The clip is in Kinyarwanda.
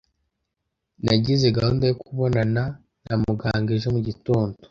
nagize gahunda yo kubonana na muganga ejo mu gitondo